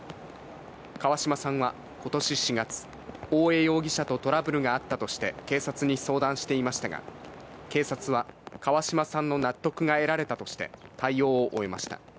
川島さんはことし４月、大江容疑者とトラブルがあったとして、警察に相談していましたが、警察は川島さんの納得が得られたとして、対応を終えました。